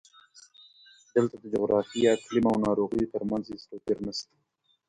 دلته د جغرافیې، اقلیم او ناروغیو ترمنځ هېڅ توپیر نشته.